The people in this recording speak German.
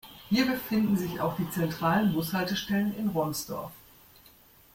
Hier befinden sich auch die zentralen Bushaltestellen in Ronsdorf.